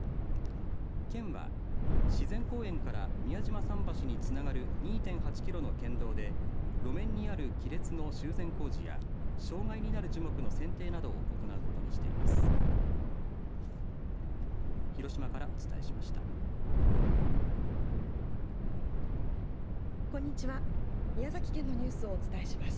県は自然公園から宮島桟橋につながる２．８キロの県道で路面にある亀裂の修繕工事や障害になる樹木のせんていなどを行うことにしています。